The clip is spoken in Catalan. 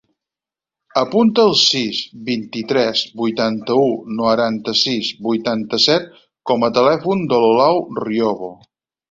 Apunta el sis, vint-i-tres, vuitanta-u, noranta-sis, vuitanta-set com a telèfon de l'Olau Riobo.